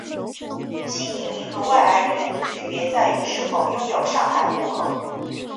新移民和外来人员的区别在于是否拥有上海户口。